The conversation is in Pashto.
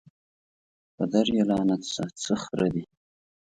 پدر یې لعنت سه څه خره دي